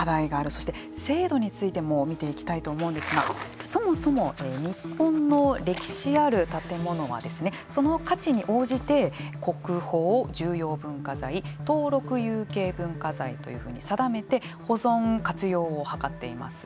そして、制度についても見ていきたいと思うんですがそもそも日本の歴史ある建物はその価値に応じて国宝重要文化財登録有形文化財というふうに定めて保存活用を図っています。